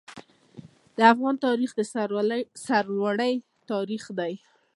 د افغان تاریخ د سرلوړۍ تاریخ دی.